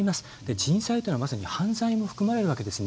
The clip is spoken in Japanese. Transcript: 人災というのはまさに犯罪も含まれるわけですね。